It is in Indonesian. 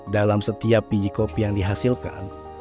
dalam setiap biji kopi yang dihasilkan